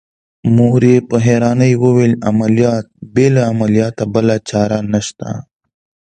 مور يې په حيرانۍ وويل عمليات بې له عملياته بله چاره نشته.